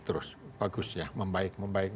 terus bagus ya membaik membaik